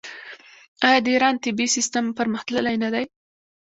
آیا د ایران طبي سیستم پرمختللی نه دی؟